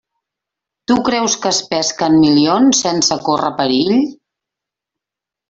Tu creus que es pesquen milions sense córrer perill?